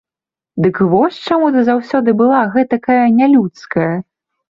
Дык вось чаму ты заўсёды была гэтакая нялюдская!